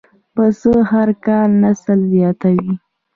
پسه هر کال نسل زیاتوي.